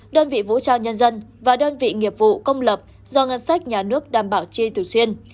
đơn vị vũ trang nhân dân và đơn vị nghiệp vụ công lập do ngân sách nhà nước đảm bảo chi thường xuyên